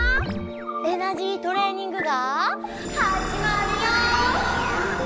エナジートレーニングがはじまるよ！